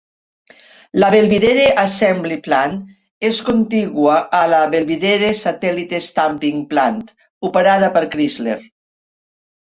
La Belvidere Assembly Plant és contigua a la Belvidere Satellite Stamping Plant operada per Chrysler.